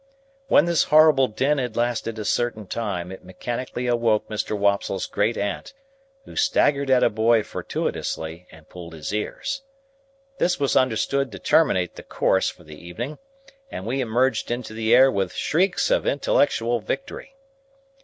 When this horrible din had lasted a certain time, it mechanically awoke Mr. Wopsle's great aunt, who staggered at a boy fortuitously, and pulled his ears. This was understood to terminate the Course for the evening, and we emerged into the air with shrieks of intellectual victory.